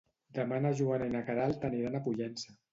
Demà na Joana i na Queralt aniran a Pollença.